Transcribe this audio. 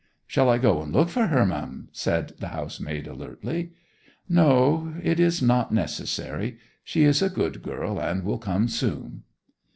'Shall I go and look for her, m'm?' said the house maid alertly. 'No. It is not necessary: she is a good girl and will come soon.